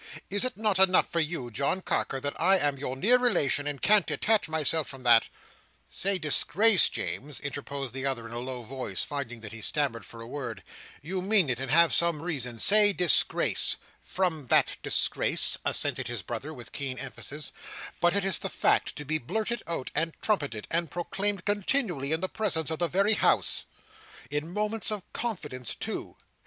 Is it not enough for you, John Carker, that I am your near relation, and can't detach myself from that—" "Say disgrace, James," interposed the other in a low voice, finding that he stammered for a word. "You mean it, and have reason, say disgrace." "From that disgrace," assented his brother with keen emphasis, "but is the fact to be blurted out and trumpeted, and proclaimed continually in the presence of the very House! In moments of confidence too?